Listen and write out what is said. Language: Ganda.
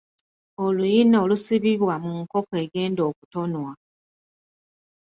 Oluyina olusibibwa mu nkoko egenda okutonwa.